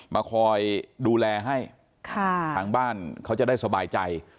มาคอยดูแลให้ทางบ้านเขาจะได้สบายใจ